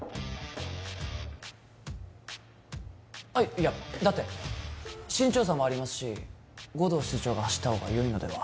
いや、だって、身長差もありますし、護道室長が走った方がよいのでは？